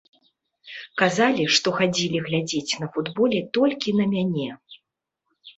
Казалі, што хадзілі глядзець на футболе толькі на мяне.